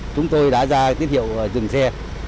chúng tôi đã ra tiết hiệu dừng xe